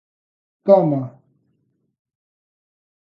Toma...